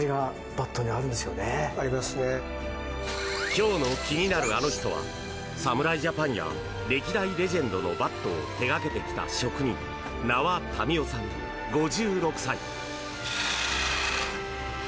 今日の気になるアノ人は侍ジャパンや歴代レジェンドのバットを手掛けてきた職人名和民夫さん、５６歳。